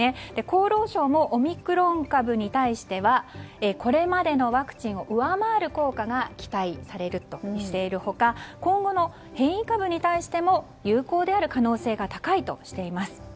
厚労省もオミクロン株に対してはこれまでのワクチンを上回る効果が期待されるとしている他今後の変異株に対しても有効である可能性が高いとしています。